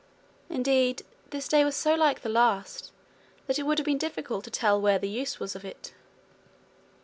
Indeed, this day was so like the last that it would have been difficult to tell where was the use of It.